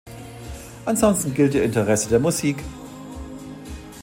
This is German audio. Ansonsten gilt ihr Interesse der Musik.